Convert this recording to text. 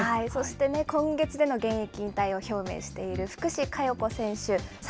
そして今月での現役引退を表明している福士加代子選手